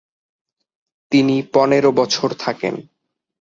তিনি পনেরো বছর থাকেন।